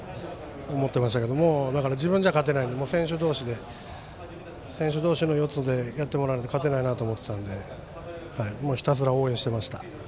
ああやっぱり違うなと思いながら思ってましたけども自分じゃ勝てないので選手同士でやってもらわないと勝てないなと思ってたので、ひたすら応援してました。